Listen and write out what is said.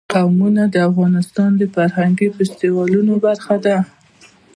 قومونه د افغانستان د فرهنګي فستیوالونو برخه ده.